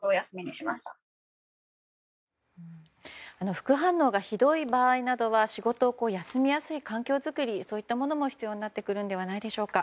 副反応がひどい場合などは仕事を休みやすい環境づくり、そういったものも必要になってくるんじゃないでしょうか。